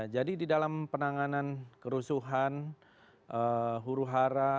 jadi di dalam penanganan kerusuhan huru hara